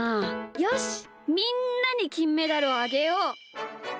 よしみんなにきんメダルをあげよう！